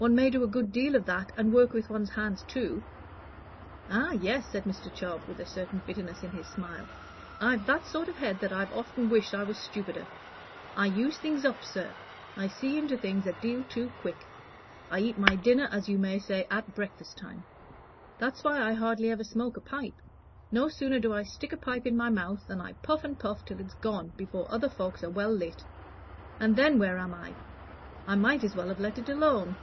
"One may do a good deal of that and work with one's hands too." "Ah, sir," said Mr. Chubb, with a certain bitterness in his smile, "I've that sort of head that I've often wished I was stupider. I use things up, sir; I see into things a deal too quick. I eat my dinner, as you may say, at breakfast time. That's why I hardly ever smoke a pipe. No sooner do I stick a pipe in my mouth than I puff and puff till it's gone before other folks' are well lit; and then, where am I? I might as well have let it alone.